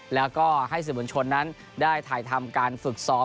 แล้วก็ให้สื่อมวลชนนั้นได้ถ่ายทำการฝึกซ้อม